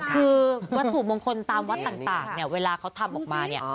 คือวัตถุมงคลตามวัดต่างเนี่ยเวลาเขาทำออกมาเนี่ย